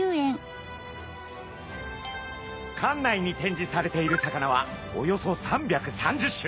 館内に展示されている魚はおよそ３３０種。